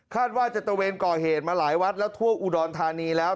ว่าจะตะเวนก่อเหตุมาหลายวัดแล้วทั่วอุดรธานีแล้ว